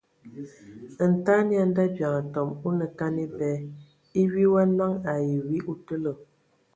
Ntaɛn ya ndabiaŋ atɔm anə kan ebɛ :e wi wa naŋ ai e wi o tələ.